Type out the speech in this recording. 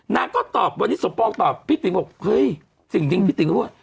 นางก็ตอบพี่ติ๋มเห้ยจริงพี่ติ๋มเข้าบอกว่า